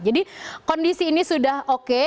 jadi kondisi ini sudah oke